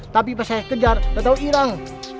tapi pas saya kejar gak tahu irang